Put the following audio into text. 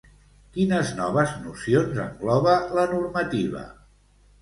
Quines noves nocions engloba la normativa?